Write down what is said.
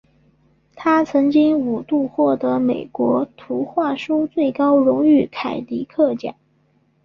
他曾经五度获得美国图画书最高荣誉凯迪克奖。